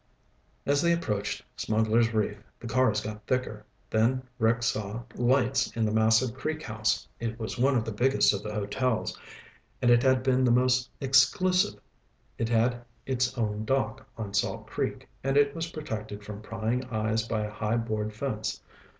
As they approached Smugglers' Reef, the cars got thicker. Then Rick saw lights in the massive Creek House. It was one of the biggest of the hotels, and it had been the most exclusive. It had its own dock on Salt Creek, and it was protected from prying eyes by a high board fence.